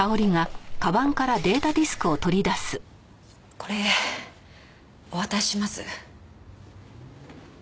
これお渡しします。